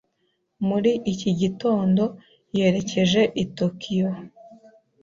Muri iki gitondo, yerekeje i Tokiyo.